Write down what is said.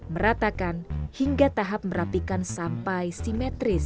meratakan hingga tahap merapikan sampai simetris